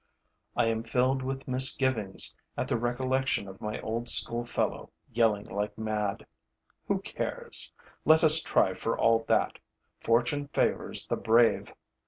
I am filled with misgivings at the recollection of my old school fellow yelling like mad. Who cares? Let us try for all that: fortune favors the brave!